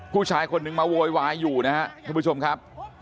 ผู้ชายคนนึงมาโวยวายอยู่นะครับทุกผู้ชมครับ